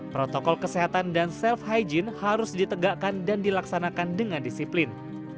protokol kesehatan dan self hygiene harus ditegakkan dan dilaksanakan dengan disiplin